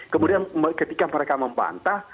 kemudian ketika mereka mempantah